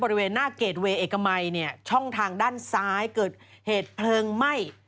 บริเวณหน้าเกรดเวย์เอกมัยเนี่ยช่องทางด้านซ้ายเกิดเหตุเพลิงไหม้